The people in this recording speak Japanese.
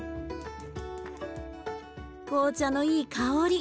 紅茶のいい香り。